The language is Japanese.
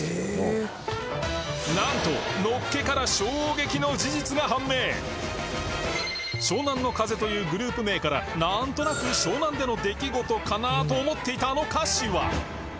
なんとのっけから湘南乃風というグループ名からなんとなく湘南での出来事かなと思っていたあの歌詞は